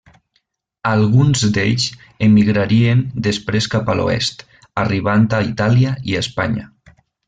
Alguns d'ells emigrarien després cap a l'oest, arribant a Itàlia i Espanya.